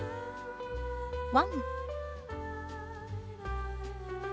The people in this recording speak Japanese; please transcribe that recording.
ワン！